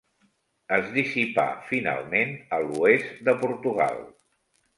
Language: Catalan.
Es dissipà finalment a l'oest de Portugal.